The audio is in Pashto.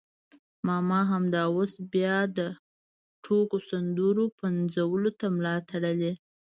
ماما همدا اوس بیا د ټوکو سندرو پنځولو ته ملا تړلې.